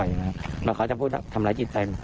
บางครั้งจะพูดทำร้ายจิตใจ